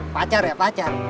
pacar ya pacar